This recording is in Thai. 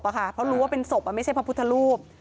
เพราะรู้ว่าเป็นศพไม่ใช่พระพุทธรูป